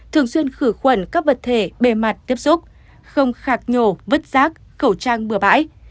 thường xuyên khử khuẩn các vật thể bề mặt tiếp xúc không khạc nhổ vứt rác khẩu trang bừa bãi